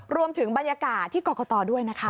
รวมถึงบรรยากาศที่กรกตด้วยนะคะ